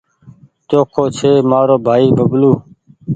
چوکو ڇي مآرو ڀآئي ببلو